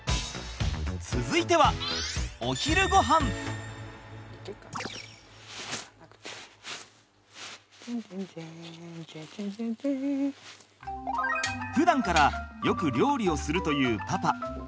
続いてはふだんからよく料理をするというパパ。